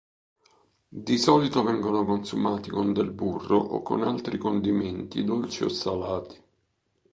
Di solito vengono consumati con del burro o con altri condimenti dolci o salati.